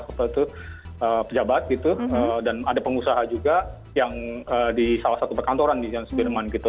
salah satu pejabat gitu dan ada pengusaha juga yang di salah satu perkantoran di jansk birman gitu